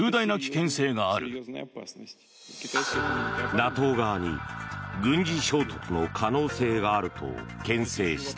ＮＡＴＯ側に軍事衝突の可能性があるとけん制した。